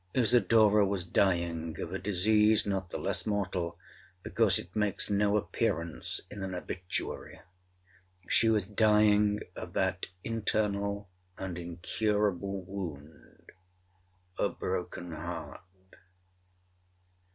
Isidora was dying of a disease not the less mortal because it makes no appearance in an obituary—she was dying of that internal and incurable wound—a broken heart.